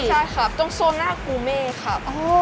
ใช่ครับตรงโซน่ากูเม่ครับ